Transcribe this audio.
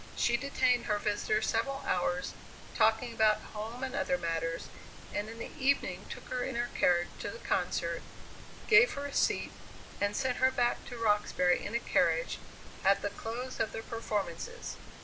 She detained her visitor several hours, talking about home, and other matters, and in the evening took her in her carriage to the concert, gave her a seat, and sent her back to Roxbury in a carriage, at the close of the performances.